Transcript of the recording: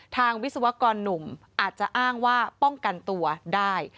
วิศวกรหนุ่มอาจจะอ้างว่าป้องกันตัวได้